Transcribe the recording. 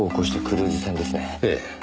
ええ。